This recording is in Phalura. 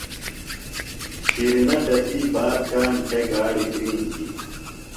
شِرینہ تسی بات کاݨ تھےۡ گاڑیۡ کرِینتی.